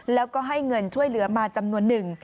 แล้วก็ให้เงินช่วยเหลือมาจำนวนหนึ่ง